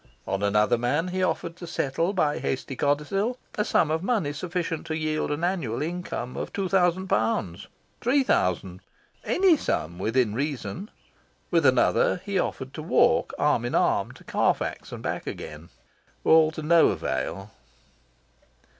On another man he offered to settle by hasty codicil a sum of money sufficient to yield an annual income of two thousand pounds three thousand any sum within reason. With another he offered to walk, arm in arm, to Carfax and back again. All to no avail.